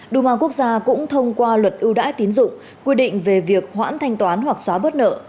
duma quốc gia cũng thông qua luật ưu đãi tín dụng quy định về việc hoãn thanh toán hoặc xóa bớt nợ